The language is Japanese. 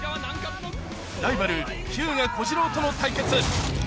ライバル、日向小次郎との対決。